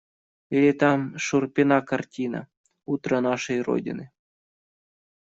Или там Шурпина картина «Утро нашей родины».